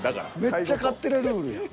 めっちゃ勝手なルールやん。